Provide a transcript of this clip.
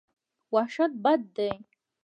وحشت بد دی.